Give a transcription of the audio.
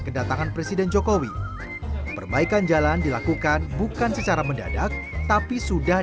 kedatangan presiden jokowi perbaikan jalan dilakukan bukan secara mendadak tapi sudah